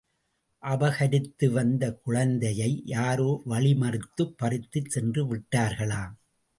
அபகரித்து வந்த குழந்தையை யாரோ வழிமறித்துப் பறித்துச் சென்று விட்டார்களாம்!...